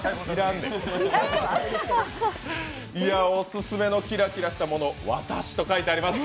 オススメのキラキラしたもの「わたし」と書いてあります。